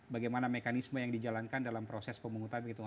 bagaimana mekanisme yang dijalankan dalam proses pemungutan gitu